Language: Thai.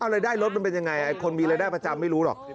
รายได้รถมันเป็นยังไงคนมีรายได้ประจำไม่รู้หรอก